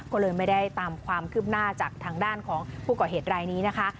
ก็เลยไม่ได้ตามความคืบหน้าจากทางด้านของผู้ก่อเหตุรายนี้นะคะ